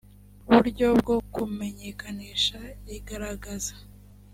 buryo bwo kumenyekanisha igaragaza